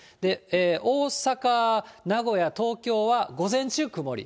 大阪、名古屋、東京は午前中、曇り。